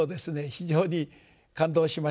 非常に感動しました。